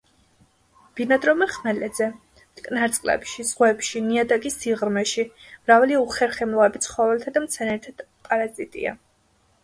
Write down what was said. ბინადრობენ ხმელეთზე, მტკნარ წყლებში, ზღვებში, ნიადაგის სიღრმეში, მრავალი უხერხემლოები ცხოველთა და მცენარეთა პარაზიტია.